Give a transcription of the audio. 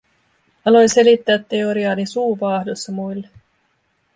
Aloin selittää teoriaani suu vaahdossa muille.